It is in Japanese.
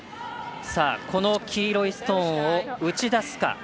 この黄色いストーンを打ち出すか。